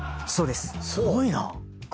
すごいな！